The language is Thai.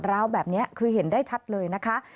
ราวแบบนี้คือเห็นได้ชัดเลยนะคะ